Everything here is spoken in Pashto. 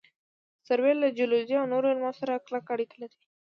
سروې له جیولوجي او نورو علومو سره کلکه اړیکه لري